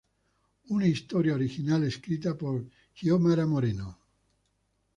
Una historia original escrita por Xiomara Moreno.